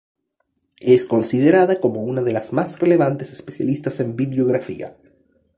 Es considerada como una de las más relevantes especialistas en Bibliografía.